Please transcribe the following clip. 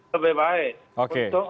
lebih baik untuk